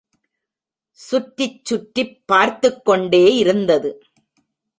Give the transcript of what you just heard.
சுற்றிச் சுற்றிப் பார்த்துக்கொண்டே இருந்தது.